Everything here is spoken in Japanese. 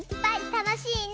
たのしいね！